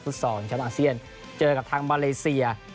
สุดสองชิงแชมป์อาเซียนเจอกับทางมาเลเซีย